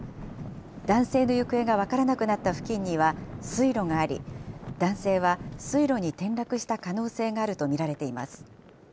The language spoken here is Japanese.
男性の行方が分からなくなった付近には水路があり、男性は水路に転落した可能性があると見られています。